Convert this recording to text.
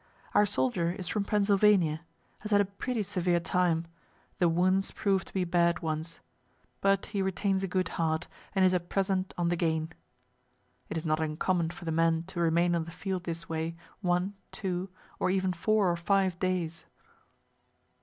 Our soldier is from Pennsylvania; has had a pretty severe time; the wounds proved to be bad ones. But he retains a good heart, and is at present on the gain. (It is not uncommon for the men to remain on the field this way, one, two, or even four or five days.)